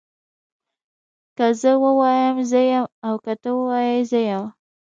که زه ووایم زه يم او که ته ووايي زه يم